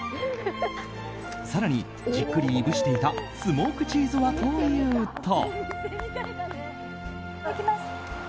更に、じっくりいぶしていたスモークチーズはというと。